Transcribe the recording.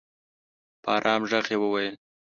په ارام ږغ یې وویل